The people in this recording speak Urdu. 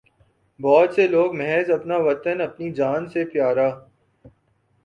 بہت سے لوگ محض اپنا وطن اپنی جان سے پیا را